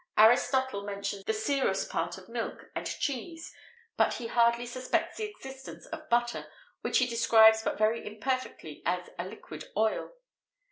Aristotle mentions the serous part of milk, and cheese;[XVIII 24] but he hardly suspects the existence of butter, which he describes but very imperfectly as a liquid oil.